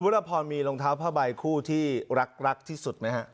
ละพรมีรองเท้าผ้าใบคู่ที่รักที่สุดไหมฮะ